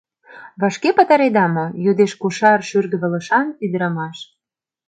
— Вашке пытареда мо? — йодеш кошар шӱргывылышан ӱдырамаш.